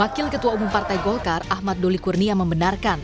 wakil ketua umum partai golkar ahmad doli kurnia membenarkan